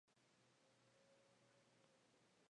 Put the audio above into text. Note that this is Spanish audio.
Clair Morton.